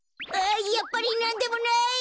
やっぱりなんでもない！